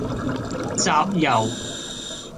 集郵